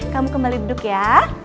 kamu kembali duduk ya